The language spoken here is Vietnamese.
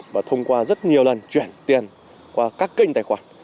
và thông qua rất nhiều lần chuyển tiền qua các kênh tài khoản